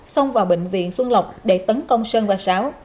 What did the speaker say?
xông vào bệnh viện xuân lộc để tấn công sơn và sáo